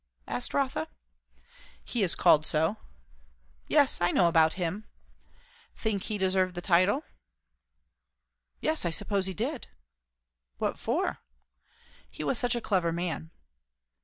asked Rotha. "He is called so." "Yes, I know about him." "Think he deserved the title?" "Yes, I suppose he did." "What for?" "He was such a clever man."